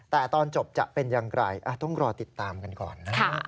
แต่ตอนจบจะเป็นอย่างไรต้องรอติดตามกันก่อนนะ